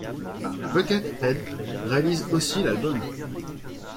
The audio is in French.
Buckethead réalise aussi l'album '.